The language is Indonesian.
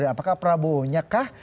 apakah perabohnya kah